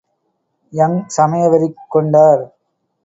Young சமயவெறி கொண்டார்.